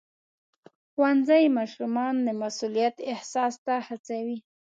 ښوونځی ماشومان د مسؤلیت احساس ته هڅوي.